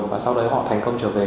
và sau đấy họ thành công trở về